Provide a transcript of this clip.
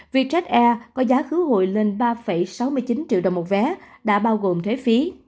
vietjet air có giá khứ hội lên ba sáu mươi chín triệu đồng một vé đã bao gồm thuế phí